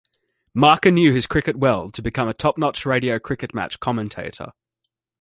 Marker knew his cricket well to become a top-notch radio cricket match commentator.